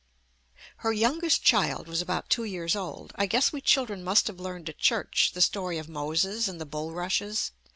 Her youngest child was about two years old. I guess we children must have learned at church the story of "Moses and the bulrushes."